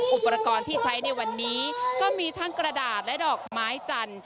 อุปกรณ์ที่ใช้ในวันนี้ก็มีทั้งกระดาษและดอกไม้จันทร์